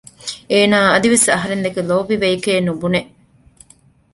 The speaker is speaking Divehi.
އޭނަ އަދިވެސް އަހަރެން ދެކެ ލޯބިވެޔެކޭ ނުބުނެ